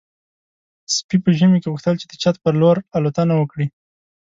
سپي په ژمي کې غوښتل چې د چت په لور الوتنه وکړي.